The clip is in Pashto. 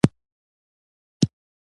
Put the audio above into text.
لږې اوبه مې د چایو لپاره جوش کړې.